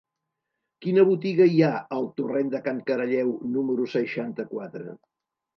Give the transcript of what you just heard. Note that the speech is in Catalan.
Quina botiga hi ha al torrent de Can Caralleu número seixanta-quatre?